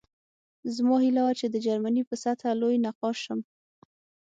زما هیله وه چې د جرمني په سطحه لوی نقاش شم